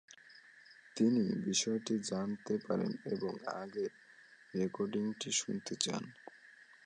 তিনি বিষয়টি জানতে পারেন এবং আগের রেকর্ডিংটি শুনতে চান।